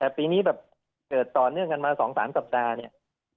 แต่ปีนี้แบบเกิดต่อเนื่องกันมา๒๓สัปดาห์เนี่ย